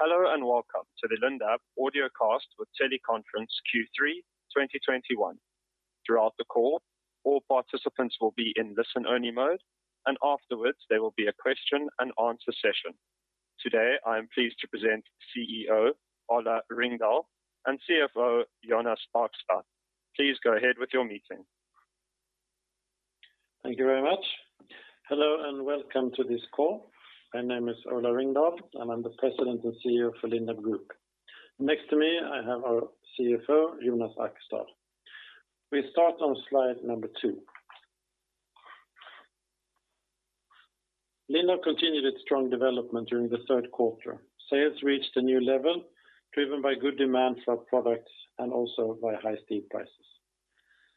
Hello, and welcome to the Lindab Audiocast with Teleconference Q3 2021. Throughout the call, all participants will be in listen-only mode, and afterwards, there will be a question-and-answer session. Today, I am pleased to present CEO Ola Ringdahl and CFO Jonas Ackestad. Please go ahead with your meeting. Thank you very much. Hello, and welcome to this call. My name is Ola Ringdahl, and I'm the President and CEO for Lindab Group. Next to me, I have our CFO, Jonas Arkestad. We start on slide number two. Lindab continued its strong development during the third quarter. Sales reached a new level driven by good demand for our products and also by high steel prices.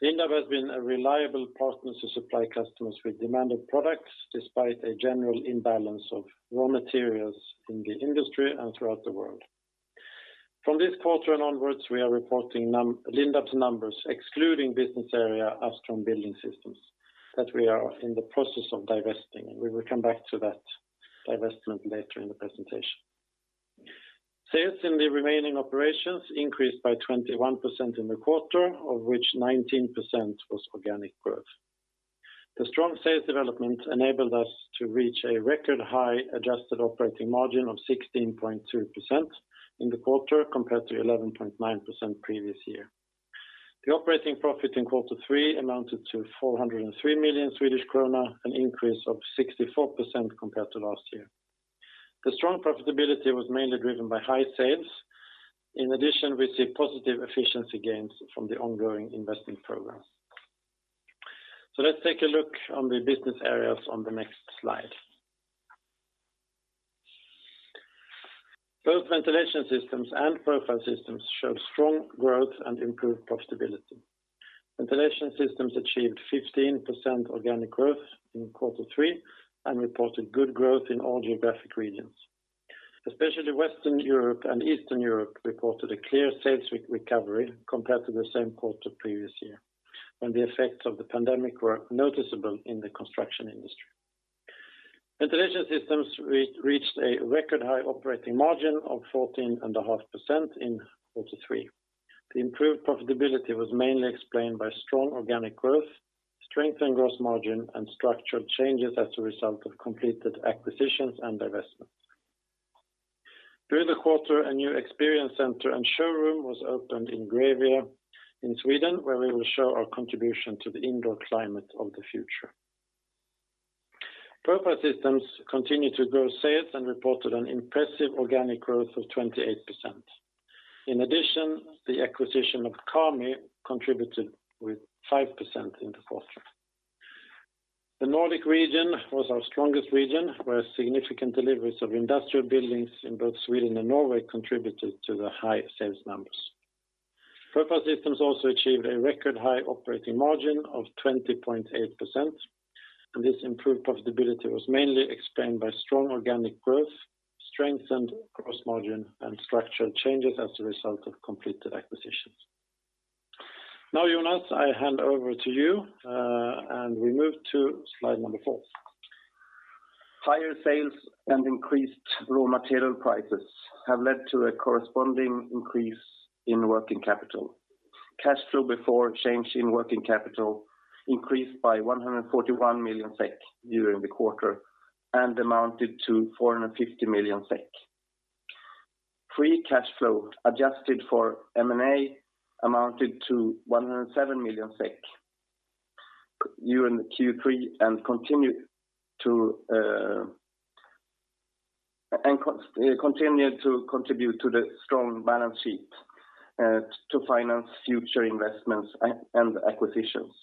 Lindab has been a reliable partner to supply customers with demanded products despite a general imbalance of raw materials in the industry and throughout the world. From this quarter and onwards, we are reporting Lindab's numbers excluding business area Astron Building Systems that we are in the process of divesting, and we will come back to that divestment later in the presentation. Sales in the remaining operations increased by 21% in the quarter, of which 19% was organic growth. The strong sales development enabled us to reach a record high adjusted operating margin of 16.2% in the quarter compared to 11.9% previous year. The operating profit in quarter three amounted to 403 million Swedish krona, an increase of 64% compared to last year. The strong profitability was mainly driven by high sales. In addition, we see positive efficiency gains from the ongoing investment programs. Let's take a look on the business areas on the next slide. Both Ventilation Systems and Profile Systems showed strong growth and improved profitability. Ventilation Systems achieved 15% organic growth in quarter three and reported good growth in all geographic regions. Especially Western Europe and Eastern Europe reported a clear sales recovery compared to the same quarter previous year when the effects of the pandemic were noticeable in the construction industry. Ventilation Systems reached a record high operating margin of 14.5% in quarter three. The improved profitability was mainly explained by strong organic growth, strengthened gross margin, and structural changes as a result of completed acquisitions and divestments. During the quarter, a new experience center and showroom was opened in Grävie in Sweden, where we will show our contribution to the indoor climate of the future. Profile Systems continued to grow sales and reported an impressive organic growth of 28%. In addition, the acquisition of KAMI contributed with 5% in the quarter. The Nordic region was our strongest region, where significant deliveries of industrial buildings in both Sweden and Norway contributed to the high sales numbers. Profile Systems also achieved a record high operating margin of 20.8%, and this improved profitability was mainly explained by strong organic growth, strengthened gross margin, and structural changes as a result of completed acquisitions. Now, Jonas, I hand over to you, and we move to slide number four. Higher sales and increased raw material prices have led to a corresponding increase in working capital. Cash flow before change in working capital increased by 141 million SEK during the quarter and amounted to 450 million SEK. Free cash flow adjusted for M&A amounted to 107 million SEK during Q3 and continue to contribute to the strong balance sheet, to finance future investments and acquisitions.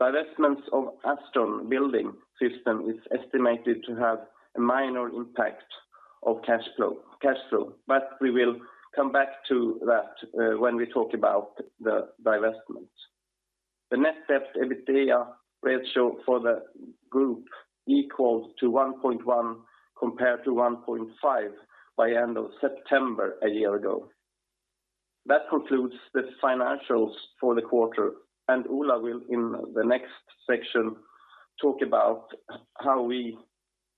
Divestments of Astron Building Systems is estimated to have a minor impact on cash flow, but we will come back to that when we talk about the divestment. The net debt EBITDA ratio for the group equals 1.1 compared to 1.5 by end of September a year ago. That concludes the financials for the quarter, and Ola will in the next section talk about how we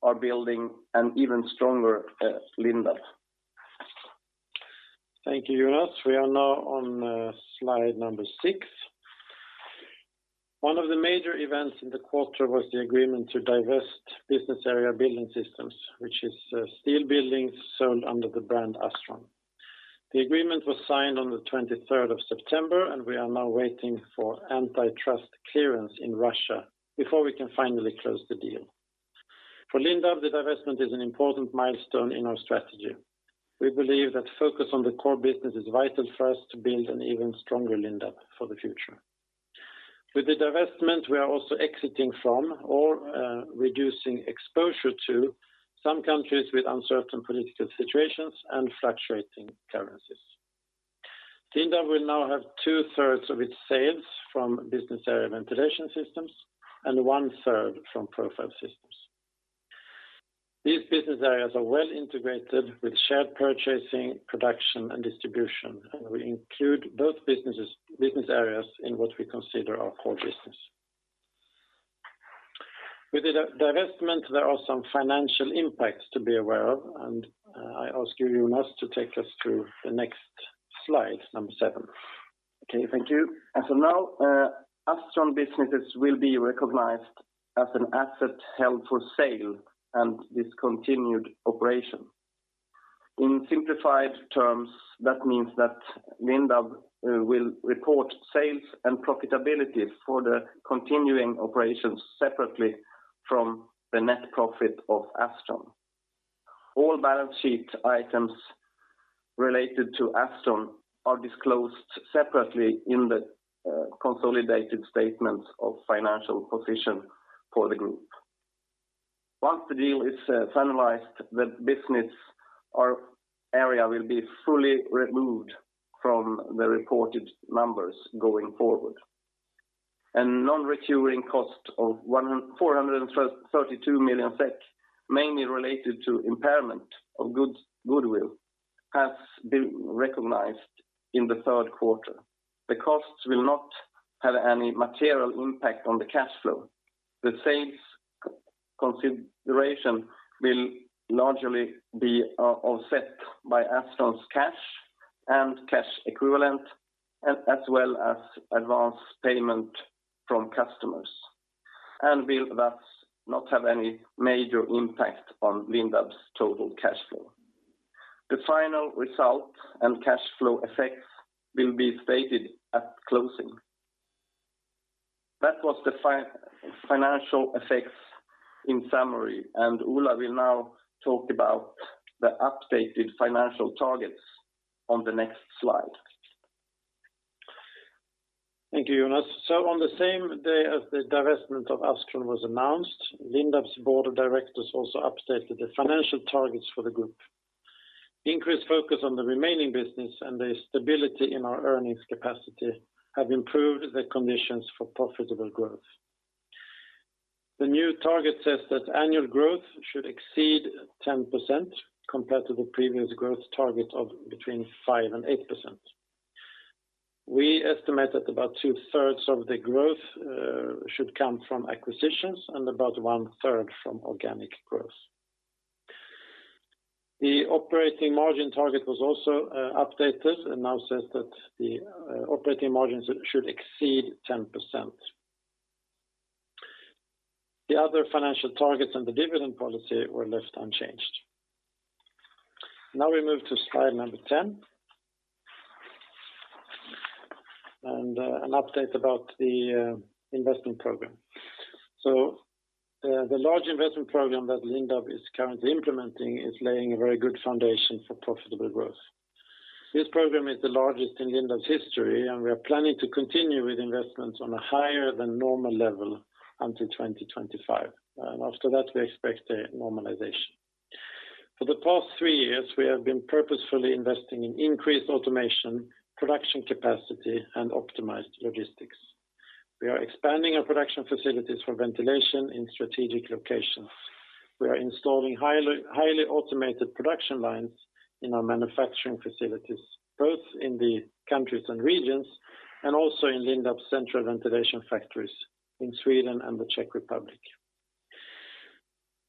are building an even stronger, Lindab. Thank you, Jonas. We are now on slide number six. One of the major events in the quarter was the agreement to divest business area Building Systems, which is steel buildings sold under the brand Astron. The agreement was signed on the twenty-third of September, and we are now waiting for antitrust clearance in Russia before we can finally close the deal. For Lindab, the divestment is an important milestone in our strategy. We believe that focus on the core business is vital for us to build an even stronger Lindab for the future. With the divestment, we are also exiting from or reducing exposure to some countries with uncertain political situations and fluctuating currencies. Lindab will now have 2/3 of its sales from business area Ventilation Systems and 1/3 from Profile Systems. These business areas are well integrated with shared purchasing, production, and distribution, and we include both business areas in what we consider our core business. With the divestment, there are some financial impacts to be aware of, and I ask you, Jonas, to take us to the next slide number seven. Okay, thank you. As of now, Astron businesses will be recognized as an asset held for sale and discontinued operation. In simplified terms, that means that Lindab will report sales and profitability for the continuing operations separately from the net profit of Astron. All balance sheet items related to Astron are disclosed separately in the consolidated statement of financial position for the group. Once the deal is finalized, the business or area will be fully removed from the reported numbers going forward. A non-recurring cost of 432 million SEK, mainly related to impairment of goodwill, has been recognized in the third quarter. The costs will not have any material impact on the cash flow. The sales consideration will largely be offset by Astron's cash and cash equivalents, as well as advanced payments from customers, and will thus not have any major impact on Lindab's total cash flow. The final result and cash flow effects will be stated at closing. That was the financial effects in summary, and Ola will now talk about the updated financial targets on the next slide. Thank you, Jonas. On the same day as the divestment of Astron was announced, Lindab's board of directors also updated the financial targets for the group. Increased focus on the remaining business and the stability in our earnings capacity have improved the conditions for profitable growth. The new target says that annual growth should exceed 10% compared to the previous growth target of between 5% and 8%. We estimate that about two-thirds of the growth should come from acquisitions and about one-third from organic growth. The operating margin target was also updated and now says that the operating margins should exceed 10%. The other financial targets and the dividend policy were left unchanged. Now we move to slide number 10. An update about the investment program. The large investment program that Lindab is currently implementing is laying a very good foundation for profitable growth. This program is the largest in Lindab's history, and we are planning to continue with investments on a higher than normal level until 2025. After that, we expect a normalization. For the past three years, we have been purposefully investing in increased automation, production capacity, and optimized logistics. We are expanding our production facilities for ventilation in strategic locations. We are installing highly automated production lines in our manufacturing facilities, both in the countries and regions, and also in Lindab's central ventilation factories in Sweden and the Czech Republic.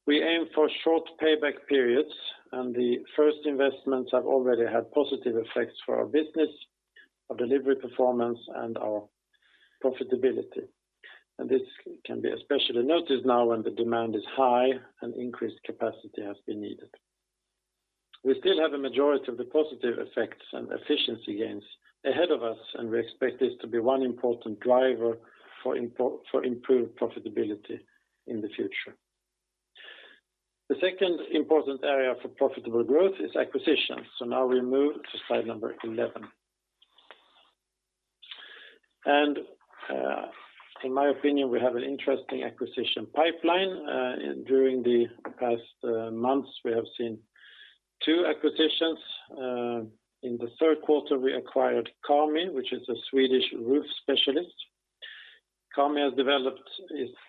We aim for short payback periods, and the first investments have already had positive effects for our business, our delivery performance, and our profitability. This can be especially noticed now when the demand is high and increased capacity has been needed. We still have a majority of the positive effects and efficiency gains ahead of us, and we expect this to be one important driver for improved profitability in the future. The second important area for profitable growth is acquisitions. Now we move to slide number 11. In my opinion, we have an interesting acquisition pipeline. During the past months, we have seen two acquisitions. In the third quarter, we acquired KAMI, which is a Swedish roof specialist. KAMI has developed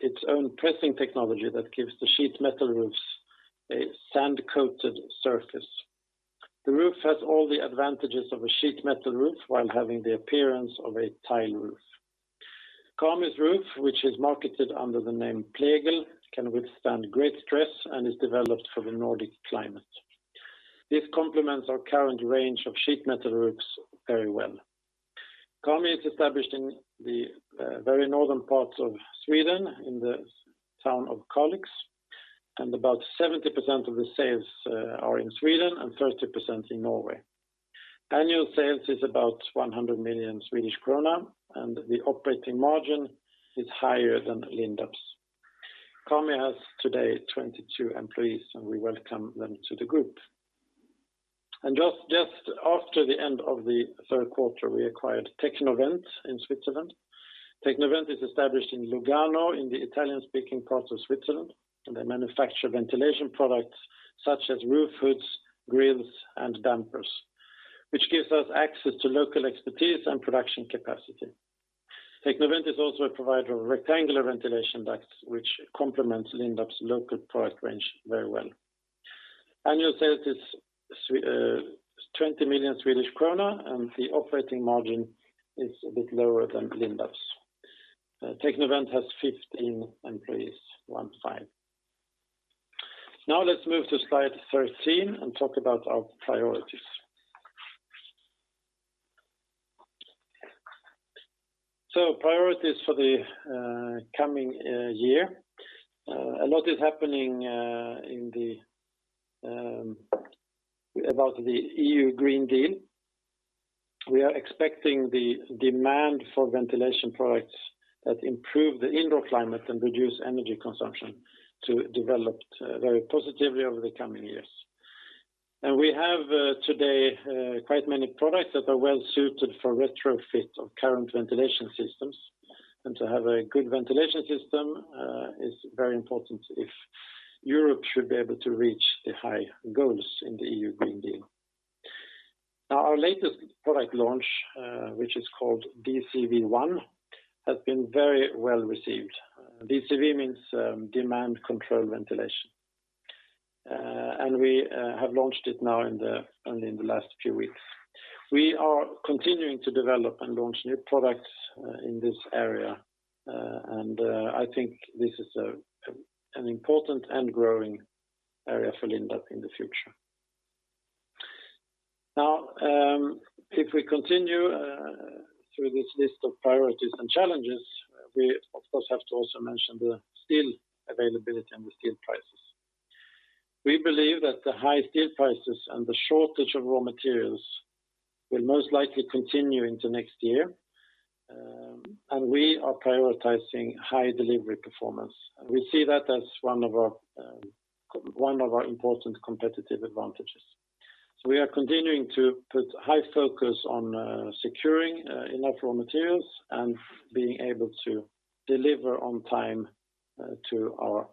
its own pressing technology that gives the sheet metal roofs a sand-coated surface. The roof has all the advantages of a sheet metal roof while having the appearance of a tile roof. KAMI's roof, which is marketed under the name Plegel, can withstand great stress and is developed for the Nordic climate. This complements our current range of sheet metal roofs very well. KAMI is established in the very northern parts of Sweden, in the town of Kalix, and about 70% of the sales are in Sweden and 30% in Norway. Annual sales is about 100 million Swedish krona, and the operating margin is higher than Lindab's. KAMI has today 22 employees, and we welcome them to the group. Just after the end of the third quarter, we acquired Tecnovent in Switzerland. Tecnovent is established in Lugano in the Italian-speaking part of Switzerland, and they manufacture ventilation products such as roof hoods, grilles, and dampers, which gives us access to local expertise and production capacity. Tecnovent is also a provider of rectangular ventilation ducts, which complements Lindab's local product range very well. Annual sales is 20 million Swedish krona, and the operating margin is a bit lower than Lindab's. Tecnovent has 15 employees. Now let's move to slide 13 and talk about our priorities. Priorities for the coming year. A lot is happening about the European Green Deal. We are expecting the demand for ventilation products that improve the indoor climate and reduce energy consumption to develop very positively over the coming years. We have today quite many products that are well suited for retrofit of current ventilation systems. To have a good ventilation system is very important if Europe should be able to reach the high goals in the European Green Deal. Our latest product launch, which is called DCV One, has been very well received. DCV means demand control ventilation. We have launched it now only in the last few weeks. We are continuing to develop and launch new products in this area. I think this is an important and growing area for Lindab in the future. If we continue through this list of priorities and challenges, we of course have to also mention the steel availability and the steel prices. We believe that the high steel prices and the shortage of raw materials will most likely continue into next year, and we are prioritizing high delivery performance. We see that as one of our important competitive advantages. We are continuing to put high focus on securing enough raw materials and being able to deliver on time to our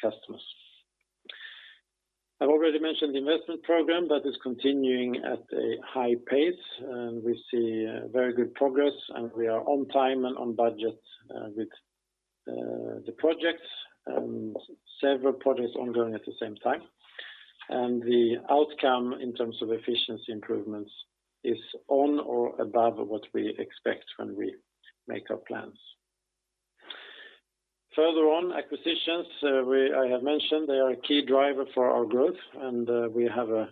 customers. I've already mentioned the investment program that is continuing at a high pace, and we see very good progress, and we are on time and on budget with the projects and several projects ongoing at the same time. The outcome in terms of efficiency improvements is on or above what we expect when we make our plans. Further on, acquisitions, I have mentioned they are a key driver for our growth, and we have a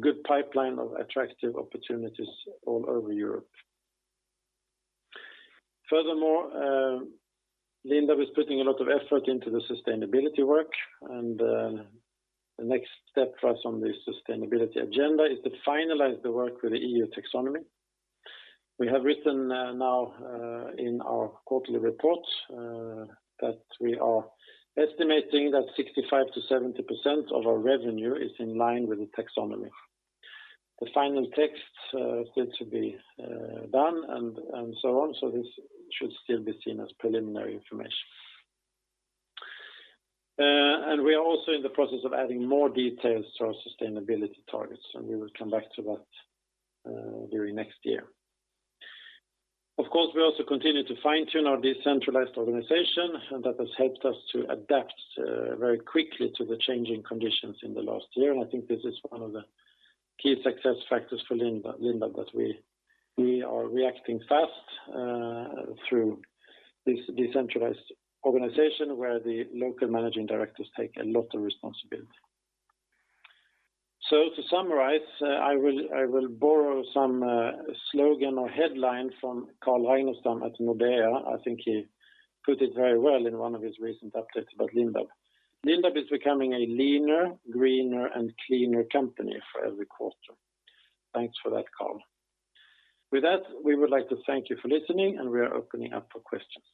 good pipeline of attractive opportunities all over Europe. Furthermore, Lindab is putting a lot of effort into the sustainability work, and the next step for us on the sustainability agenda is to finalize the work with the EU taxonomy. We have written now in our quarterly report that we are estimating that 65% to 70% of our revenue is in line with the taxonomy. The final text still to be done and so on, so this should still be seen as preliminary information. We are also in the process of adding more details to our sustainability targets, and we will come back to that during next year. Of course, we also continue to fine-tune our decentralized organization, and that has helped us to adapt very quickly to the changing conditions in the last year. I think this is one of the key success factors for Lindab, that we are reacting fast through this decentralized organization where the local managing directors take a lot of responsibility. To summarize, I will borrow some slogan or headline from Carl Ragnerstam at Nordea. I think he put it very well in one of his recent updates about Lindab. Lindab is becoming a leaner, greener, and cleaner company for every quarter. Thanks for that, Carl. With that, we would like to thank you for listening, and we are opening up for questions.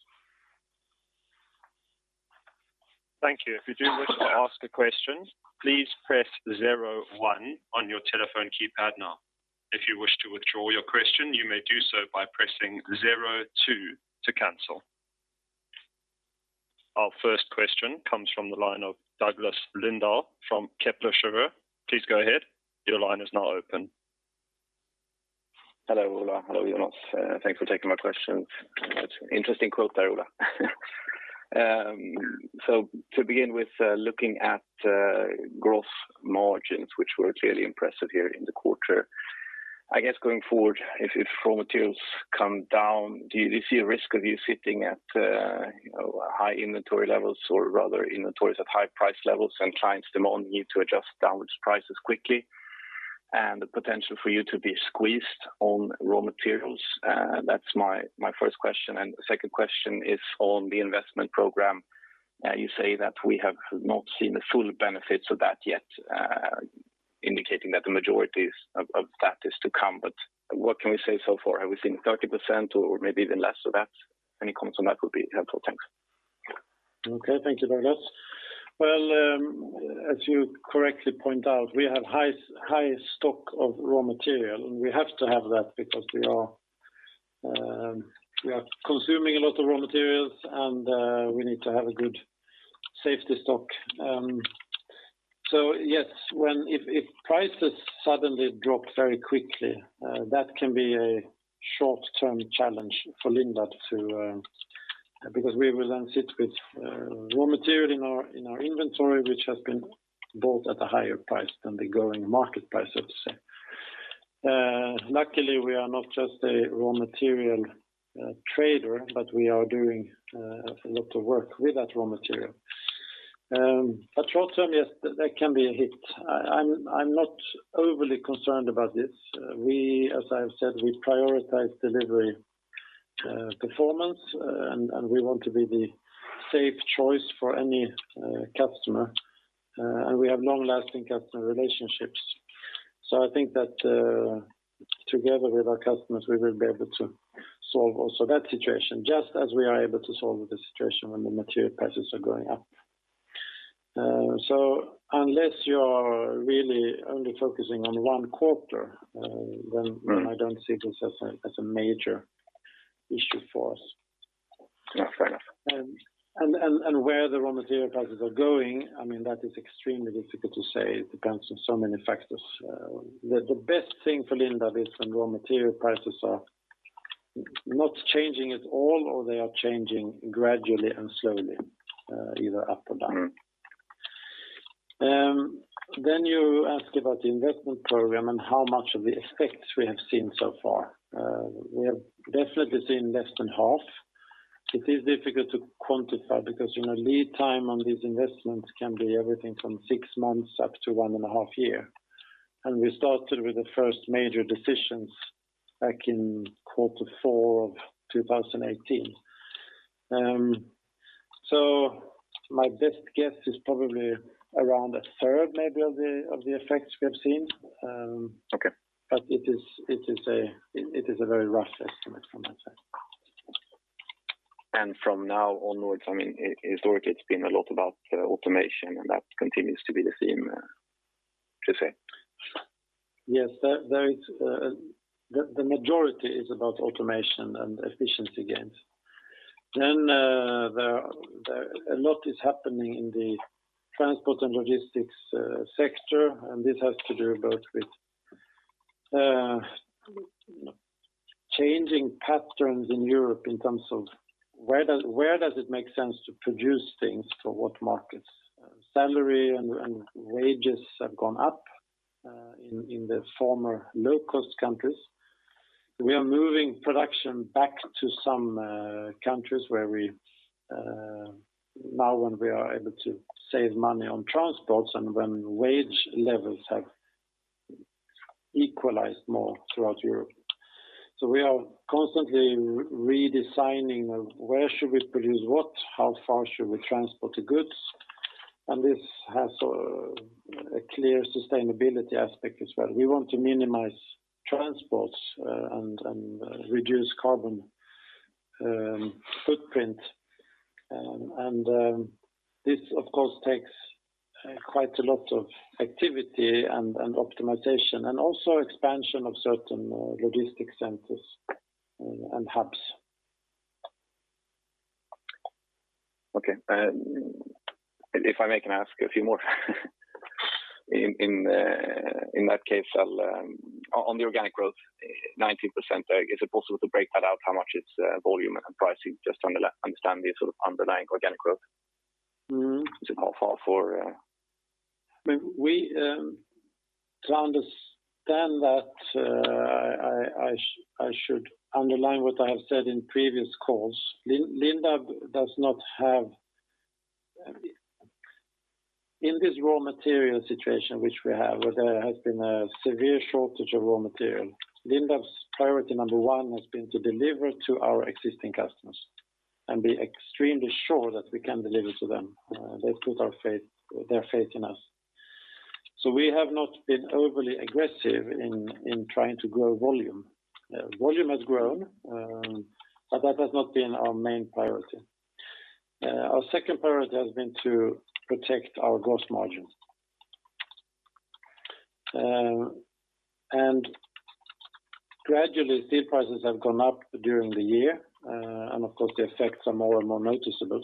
Thank you. If you wish to ask a question please press zero one on your telephone keypad now. If you wish to withdraw you question you may do so by pressing zero two to cancel. Our first question comes from the line of Douglas Lindahl from Kepler Cheuvreux. Please go ahead. Your line is now open. Hello, Ola. Hello, Jonas. Thanks for taking my question. Interesting quote there, Ola. So to begin with, looking at growth margins, which were clearly impressive here in the quarter, I guess going forward, if raw materials come down, do you see a risk of you sitting at, you know, high inventory levels or rather inventories at high price levels and clients demand you to adjust downwards prices quickly and the potential for you to be squeezed on raw materials? That's my first question. Second question is on the investment program. You say that we have not seen the full benefits of that yet, indicating that the majority of that is to come. What can we say so far? Have we seen 30% or maybe even less of that? Any comments on that would be helpful. Thanks. Okay. Thank you, Douglas. Well, as you correctly point out, we have high stock of raw material, and we have to have that because we are consuming a lot of raw materials, and we need to have a good safety stock. Yes, if prices suddenly drop very quickly, that can be a short-term challenge for Lindab because we will then sit with raw material in our inventory, which has been bought at a higher price than the going market price, so to say. Luckily, we are not just a raw material trader, but we are doing a lot of work with that raw material. Short term, yes, there can be a hit. I'm not overly concerned about this. As I've said, we prioritize delivery, performance, and we want to be the safe choice for any customer, and we have long-lasting customer relationships. I think that together with our customers, we will be able to solve also that situation, just as we are able to solve the situation when the material prices are going up. Unless you're really only focusing on one quarter, then Mm-hmm. I don't see this as a major issue for us. Yeah. Fair enough. Where the raw material prices are going, I mean, that is extremely difficult to say. It depends on so many factors. The best thing for Lindab is when raw material prices are not changing at all or they are changing gradually and slowly, either up or down. Mm-hmm. You ask about the investment program and how much of the effects we have seen so far. We have definitely seen less than half. It is difficult to quantify because, you know, lead time on these investments can be everything from six months up to one and half years. We started with the first major decisions back in quarter four of 2018. My best guess is probably around a third maybe of the effects we have seen. Okay. It is a very rough estimate from my side. From now onwards, I mean, historically, it's been a lot about automation, and that continues to be the theme, should I say? Yes. The majority is about automation and efficiency gains. A lot is happening in the transport and logistics sector, and this has to do both with changing patterns in Europe in terms of where does it make sense to produce things for what markets. Salaries and wages have gone up in the former low-cost countries. We are moving production back to some countries where we now when we are able to save money on transports and when wage levels have equalized more throughout Europe. We are constantly redesigning of where should we produce what, how far should we transport the goods, and this has a clear sustainability aspect as well. We want to minimize transports and reduce carbon footprint. This of course takes quite a lot of activity and optimization, and also expansion of certain logistics centers and hubs. Okay. If I may can ask a few more. In that case, I'll on the organic growth, 19%, is it possible to break that out how much it's volume and pricing, just understand the sort of underlying organic growth? Mm-hmm. Is it how far for, uh- I should underline what I have said in previous calls. In this raw material situation which we have, where there has been a severe shortage of raw material, Lindab's priority number one has been to deliver to our existing customers and be extremely sure that we can deliver to them. They put their faith in us. We have not been overly aggressive in trying to grow volume. Volume has grown, but that has not been our main priority. Our second priority has been to protect our gross margins. Gradually, steel prices have gone up during the year, and of course, the effects are more and more noticeable.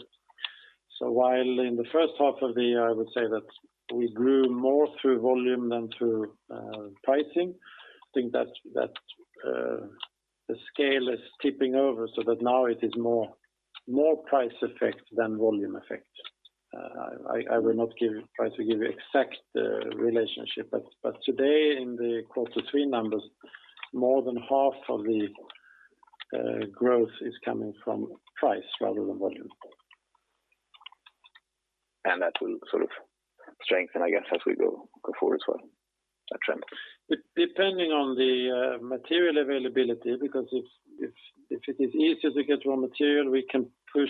While in the first half of the year, I would say that we grew more through volume than through pricing, I think that the scale is tipping over so that now it is more price effect than volume effect. I will not try to give you exact relationship, but today in the quarter three numbers, more than half of the growth is coming from price rather than volume. That will sort of strengthen, I guess, as we go forward as well, that trend? Depending on the material availability, because if it is easier to get raw material, we can push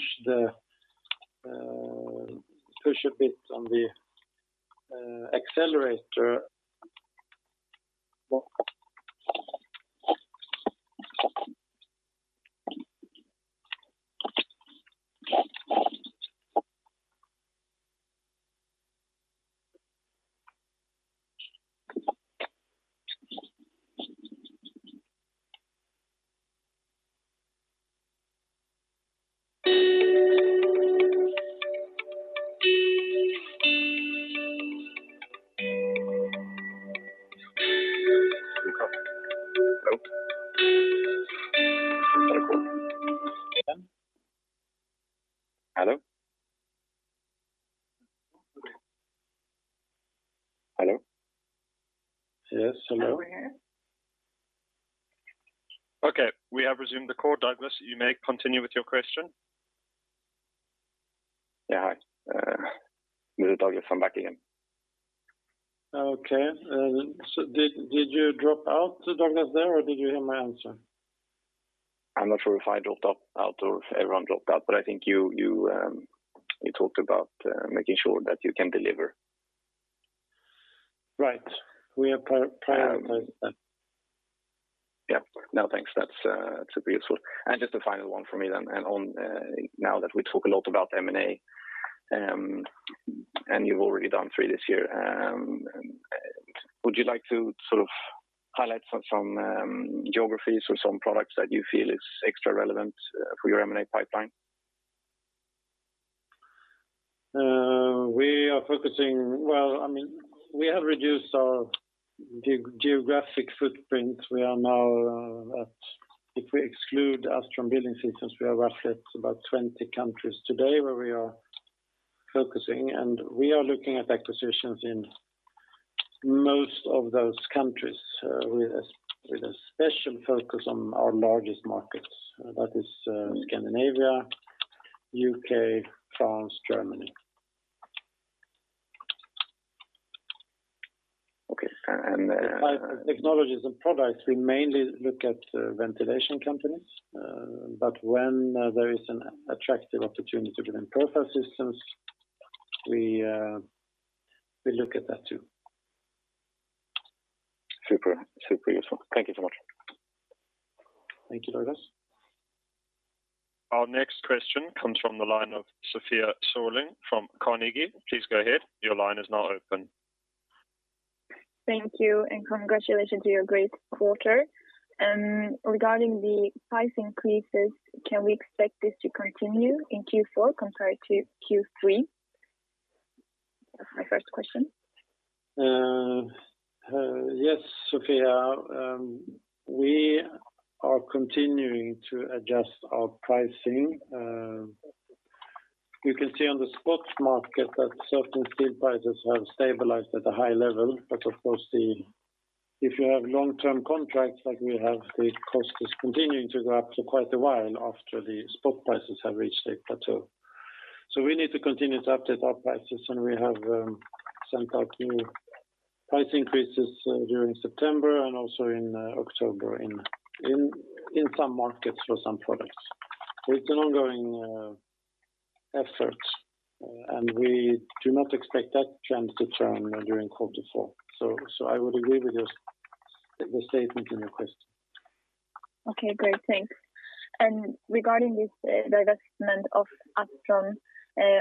a bit on the accelerator. Hello? Hello? Yes, hello. We're here. Okay. We have resumed the call, Douglas. You may continue with your question. Yeah. Hi. This is Douglas. I'm back again. Okay. Did you drop out, Douglas, there, or did you hear my answer? I'm not sure if I dropped out or if everyone dropped out, but I think you talked about making sure that you can deliver. Right. We are prioritizing that. Yeah. No, thanks. That's super useful. Just a final one from me then. Now that we talk a lot about M&A, and you've already done three this year, would you like to sort of highlight some geographies or some products that you feel is extra relevant for your M&A pipeline? Well, I mean, we have reduced our geographic footprint. We are now at, if we exclude Astron Building Systems, we are roughly at about 20 countries today where we are focusing, and we are looking at acquisitions in most of those countries, with a special focus on our largest markets. That is, Scandinavia, U.K., France, Germany. Okay. Technologies and products, we mainly look at ventilation companies. When there is an attractive opportunity within Profile Systems, we look at that too. Super, super useful. Thank you so much. Thank you, Douglas. Our next question comes from the line of Sofia Sörling from Carnegie. Please go ahead. Your line is now open. Thank you, and congratulations to your great quarter. Regarding the price increases, can we expect this to continue in Q4 compared to Q3? That's my first question. Yes, Sofia. We are continuing to adjust our pricing. You can see on the spot market that certain steel prices have stabilized at a high level, but of course, if you have long-term contracts like we have, the cost is continuing to go up for quite a while after the spot prices have reached a plateau. We need to continue to update our prices, and we have sent out new price increases during September and also in October in some markets for some products. It's an ongoing effort, and we do not expect that trend to turn during quarter four. I would agree with the statement in your question. Okay, great. Thanks. Regarding this divestment of Astron,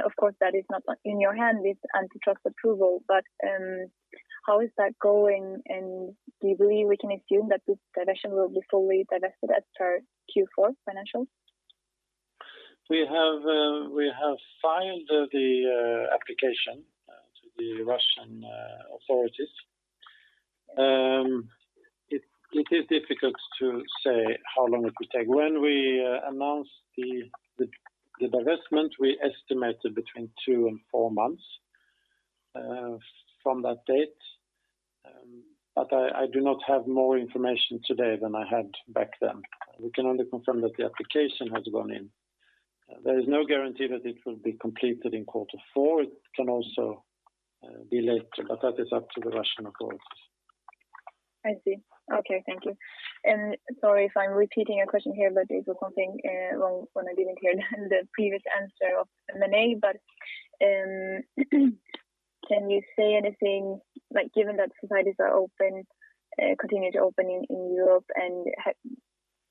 of course, that is not in your hands with antitrust approval, but how is that going? Do you believe we can assume that this division will be fully divested as per Q4 financials? We have filed the application to the Russian authorities. It is difficult to say how long it will take. When we announced the divestment, we estimated between two and four months from that date. I do not have more information today than I had back then. We can only confirm that the application has gone in. There is no guarantee that it will be completed in quarter four. It can also be later, but that is up to the Russian authorities. I see. Okay, thank you. Sorry if I'm repeating a question here, but I did something wrong when I didn't hear the previous answer of M&A. Can you say anything, like given that societies are open, continue to open in Europe, and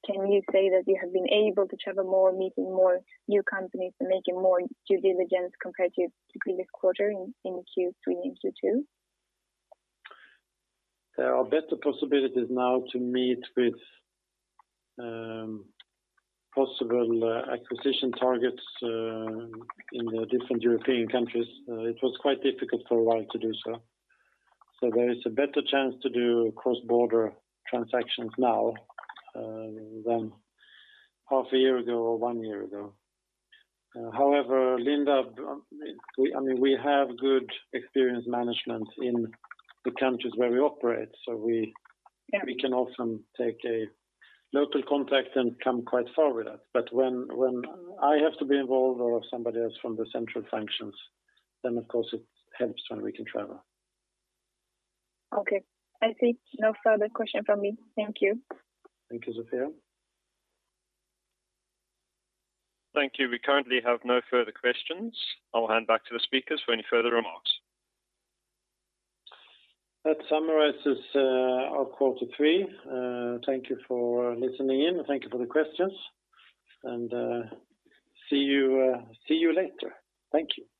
can you say that you have been able to travel more, meeting more new companies and making more due diligence compared to the previous quarter in Q3 and Q2? There are better possibilities now to meet with possible acquisition targets in the different European countries. It was quite difficult for a while to do so. There is a better chance to do cross-border transactions now than half a year ago or one year ago. However, Lindab, I mean, we have good experienced management in the countries where we operate, so we Yeah. We can often take a local contact and come quite far with that. When I have to be involved or somebody else from the central functions, then of course it helps when we can travel. Okay. I see. No further question from me. Thank you. Thank you, Sofia. Thank you. We currently have no further questions. I'll hand back to the speakers for any further remarks. That summarizes our quarter three. Thank you for listening in. Thank you for the questions. See you later. Thank you.